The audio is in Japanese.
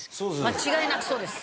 間違いなくそうです。